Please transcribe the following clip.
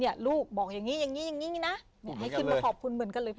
เนี้ยลูกบอกอย่างงี้อย่างงี้อย่างงี้น่ะให้กินมาขอบคุณเหมือนกันเลย